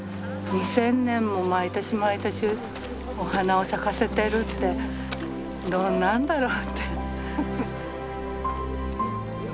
２，０００年も毎年毎年お花を咲かせてるってどんなんだろうって。